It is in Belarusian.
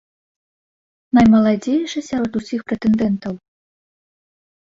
Наймаладзейшы сярод усіх прэтэндэнтаў.